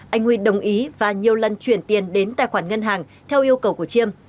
anh huy đồng ý và nhiều lần chuyển tiền đến tài khoản ngân hàng theo yêu cầu của chiêm